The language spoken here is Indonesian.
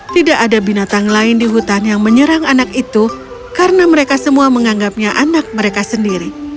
tidak ada binatang lain di hutan yang menyerang anak itu karena mereka semua menganggapnya anak mereka sendiri